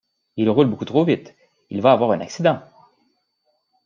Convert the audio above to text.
Il roule beaucoup trop vite, il va avoir un accident!